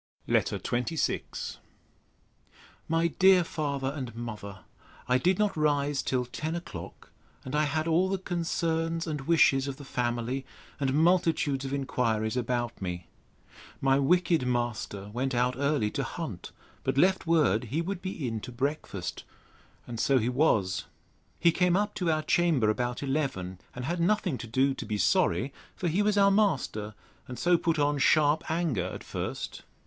LETTER XXVI MY DEAR FATHER AND MOTHER, I did not rise till ten o'clock, and I had all the concerns and wishes of the family, and multitudes of inquiries about me. My wicked master went out early to hunt; but left word he would be in to breakfast. And so he was. He came up to our chamber about eleven, and had nothing to do to be sorry; for he was our master, and so put on sharp anger at first.